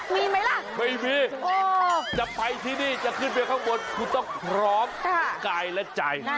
มีไหมล่ะไม่มีจะไปที่นี่จะขึ้นไปข้างบนคุณต้องพร้อมกายและใจ